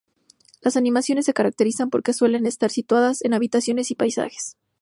Las animaciones se caracterizan porque suelen estar situadas en habitaciones o paisajes.